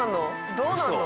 どうなるの？